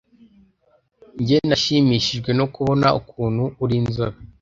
nge nashimishijwe no kubona ukuntu uri inzobe